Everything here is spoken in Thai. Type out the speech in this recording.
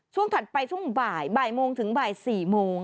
ถัดไปช่วงบ่ายบ่ายโมงถึงบ่าย๔โมง